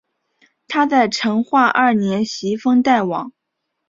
他在成化二年袭封代王。